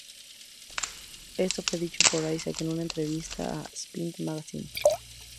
Eso fue dicho por Isaac en una entrevista a "Spin Magazine".